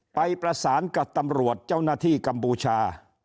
ไปประสานกับตำรวจเจ้าหน้าที่กัมพูชา